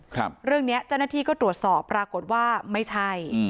เรื่องเนี้ยเจ้าหน้าที่ก็ตรวจสอบปรากฏว่าไม่ใช่อืม